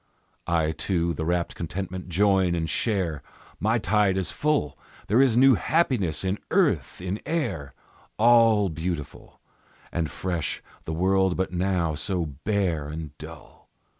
I, too, the rapt contentment join and share; My tide is full; There is new happiness in earth, in air: All beautiful And fresh the world but now so bare and dull.